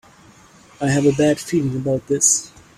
I have a bad feeling about this!